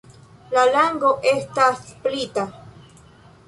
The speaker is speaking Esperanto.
La lango estas splita.